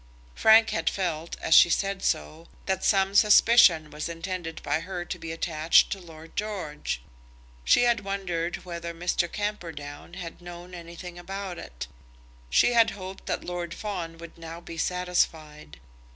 Frank had felt, as she said so, that some suspicion was intended by her to be attached to Lord George. She had wondered whether Mr. Camperdown had known anything about it. She had hoped that Lord Fawn would now be satisfied.